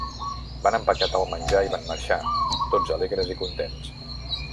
Van empaquetar el menjar i van marxar, tots alegres i contents.